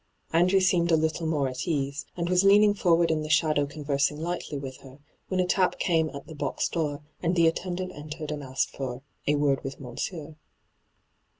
Andrew seemed a little more at ease, and was leaning forward in the shadow conversing lightly with her, when a tap came at the box door, and the attendant entered and asked for ' a word with monsieur.'